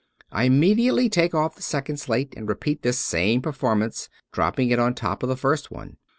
I immediately take oflf the second slate and repeat this same performance, dropping it on top of the first one.